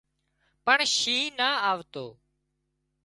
پڻ شينهن نا آوتو